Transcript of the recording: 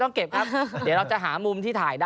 เดี๋ยวเราจะหามุมที่ถ่ายได้